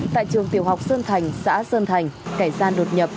tại trường tiểu học sơn thành xã sơn thành kẻ gian đột nhập